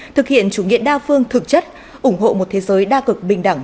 thực hiện chủ nghĩa đa phương thực chất ủng hộ một thế giới đa cực bình đẳng